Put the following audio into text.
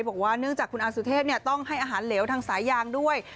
บอกว่าเนื่องจากคุณอาสุเทพต้องให้อาหารเหลวทางสายยางด้วย